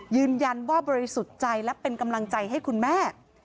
บอกว่าบริสุทธิ์ใจและเป็นกำลังใจให้คุณแม่